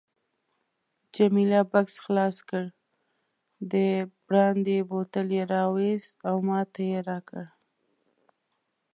جميله بکس خلاص کړ، د برانډي بوتل یې راوایست او ماته یې راکړ.